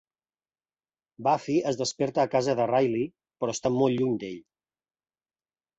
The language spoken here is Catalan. Buffy es desperta a casa de Riley, però està molt lluny d'ell.